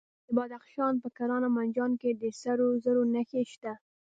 د بدخشان په کران او منجان کې د سرو زرو نښې شته.